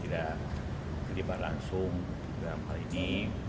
tidak terlibat langsung dalam hal ini